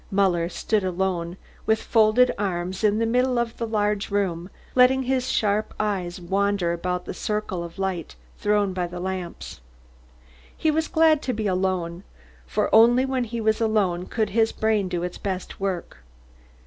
Muller stood alone, with folded arms, in the middle of the large room, letting his sharp eyes wander about the circle of light thrown by the lamps. He was glad to be alone for only when he was alone could his brain do its best work.